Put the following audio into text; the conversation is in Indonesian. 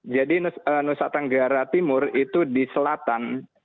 nusa tenggara timur itu di selatan